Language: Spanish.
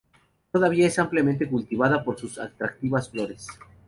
Todavía es ampliamente cultivada por su atractivas flores.